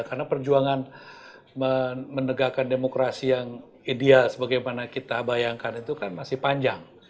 karena perjuangan menegakkan demokrasi yang ideal sebagaimana kita bayangkan itu kan masih panjang